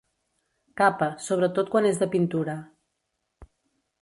Capa, sobretot quan és de pintura.